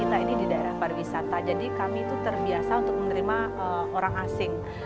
kita ini di daerah pariwisata jadi kami itu terbiasa untuk menerima orang asing